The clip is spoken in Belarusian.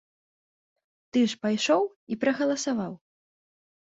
Ты ж пайшоў і прагаласаваў.